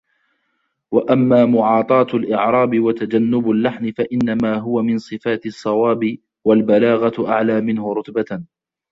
وَأَمَّا مُعَاطَاةُ الْإِعْرَابِ وَتَجَنُّبُ اللَّحَنِ فَإِنَّمَا هُوَ مِنْ صِفَاتِ الصَّوَابِ وَالْبَلَاغَةُ أَعْلَى مِنْهُ رُتْبَةً